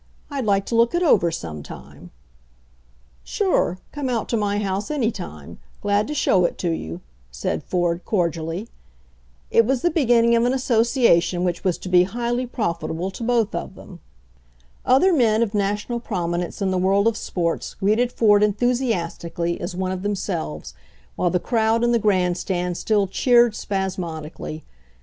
I'd like to look it over some time." "Sure ; come out to my house any time. Glad to show it to you," said Ford cordially. It was the beginning of an association which was to be highly profitable to both of them. Other men of national prominence in the world of sports greeted Ford enthusiastically as one of no it HI 't i? RAISING CAPITAL in themselves, while the crowd in the grandstand still cheered spasmodically.